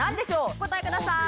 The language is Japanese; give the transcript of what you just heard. お答えください。